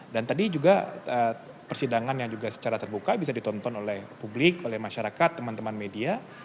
dan tadi juga persidangan yang juga secara terbuka bisa ditonton oleh publik oleh masyarakat teman teman media